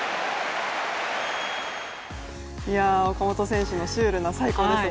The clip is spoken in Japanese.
岡本選手のシュールな最高です。